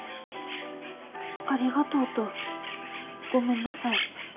「ありがとう」と「ごめんなさい」。